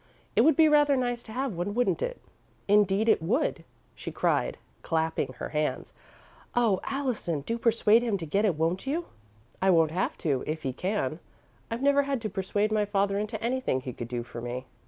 It would be rather nice to have one, wouldn't it?" "Indeed it would," she cried, clapping her hands. "Oh, Allison, do persuade him to get it, won't you?" "I won't have to, if he can. I've never had to persuade my father into anything he could do for me."